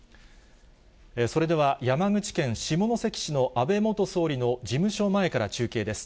それでは山口県下関市の安倍元総理の事務所前から中継です。